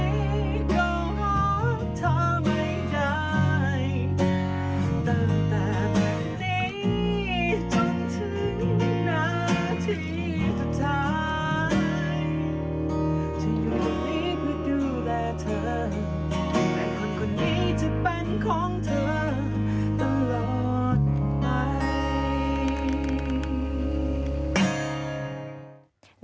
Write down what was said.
จะอยู่ตรงนี้เพื่อดูแลเธอและคนคนนี้จะเป็นของเธอตลอดไหม